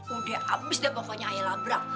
udah abis deh pokoknya ayah labrak